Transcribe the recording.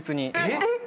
えっ？